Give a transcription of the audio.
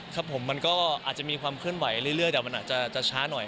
ครับผมมันก็อาจจะมีความเคลื่อนไหวเรื่อยแต่มันอาจจะช้าหน่อย